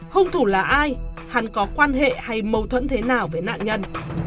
hung thủ là ai hắn có quan hệ hay mâu thuẫn thế nào với nạn nhân